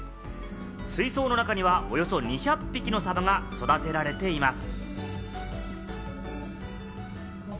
水槽の中にはおよそ２００匹のサバが育てられています。